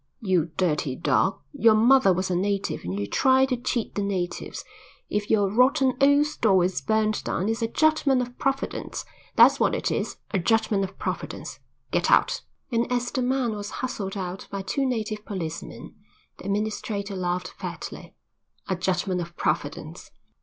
"You dirty dog. Your mother was a native and you try to cheat the natives. If your rotten old store is burned down it's a judgment of Providence; that's what it is, a judgment of Providence. Get out." And as the man was hustled out by two native policemen the administrator laughed fatly. "A judgment of Providence."